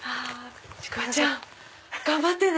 ちくわちゃん頑張ってね。